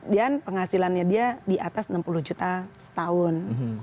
dan penghasilannya dia di atas enam puluh juta setahun